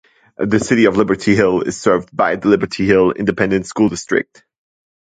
The City of Liberty Hill is served by the Liberty Hill Independent School District.